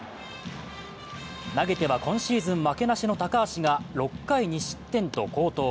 投げては今シーズン負けなしの高橋が６回２失点と好投。